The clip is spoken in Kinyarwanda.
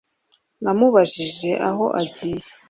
Namubajije aho agiye